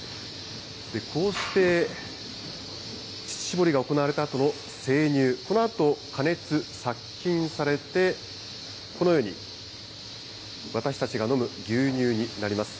こうして、乳搾りが行われたあとの生乳、このあと加熱・殺菌されてこのように、私たちが飲む牛乳になります。